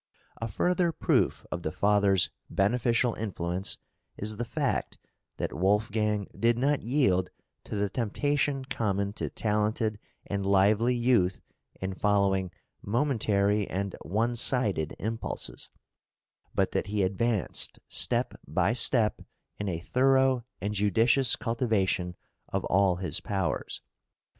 A further proof of the father's beneficial influence is the fact that Wolfgang did not yield to the temptation common to talented and lively youth in following {MOZART'S EDUCATION.} (331) momentary and one sided impulses; but that he advanced step by step in a thorough and judicious cultivation of all his powers.